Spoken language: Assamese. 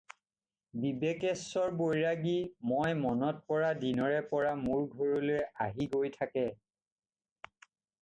বিবেকেশ্বৰ বৈৰাগী মই মনত পৰা দিনৰে পৰা মােৰ ঘৰলৈ আহি গৈ থাকে